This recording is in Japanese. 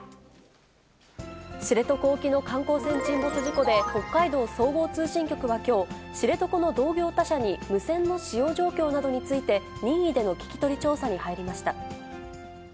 知床沖の観光船沈没事故で、北海道総合通信局はきょう、知床の同業他社に無線の使用状況などについて、任意での聞き取り調査に入りました。